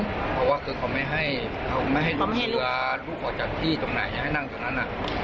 เพราะว่าคือเขาไม่ให้ลูกหรือลูกออกจากที่ตรงไหนให้นั่งตรงนั้นน่ะ